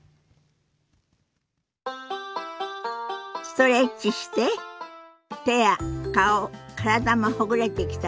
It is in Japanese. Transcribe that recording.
ストレッチして手や顔体もほぐれてきたかしら？